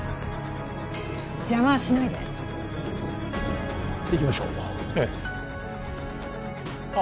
邪魔はしないで行きましょうええあっ